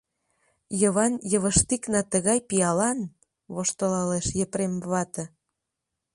— Йыван-йывыштикна тыгай пиалан, — воштылалеш Епрем вате.